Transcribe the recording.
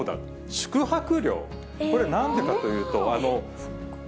宿泊料、これなんでかというと。